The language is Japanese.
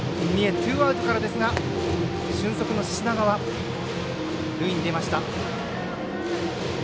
ツーアウトからですが俊足の品川が塁に出ました。